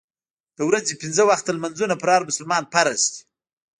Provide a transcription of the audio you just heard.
د ورځې پنځه وخته لمونځونه پر هر مسلمان فرض دي.